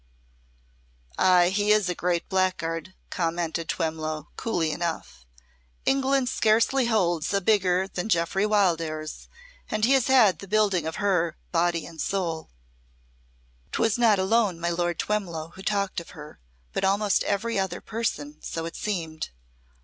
"Ay, he is a great blackguard," commented Twemlow, coolly enough. "England scarcely holds a bigger than Jeoffry Wildairs, and he has had the building of her, body and soul." 'Twas not alone my Lord Twemlow who talked of her, but almost every other person, so it seemed.